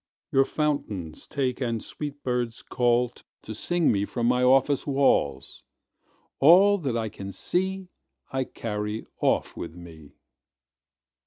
Your fountains take and sweet bird callsTo sing me from my office walls. All that I can seeI carry off with me.